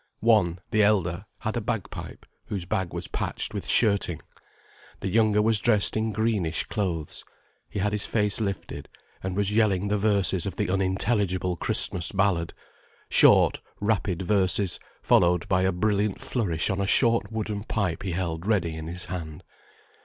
One, the elder, had a bagpipe whose bag was patched with shirting: the younger was dressed in greenish clothes, he had his face lifted, and was yelling the verses of the unintelligible Christmas ballad: short, rapid verses, followed by a brilliant flourish on a short wooden pipe he held ready in his hand.